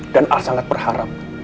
dan al sangat berharap